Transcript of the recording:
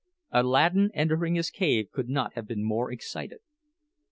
Aladdin entering his cave could not have been more excited.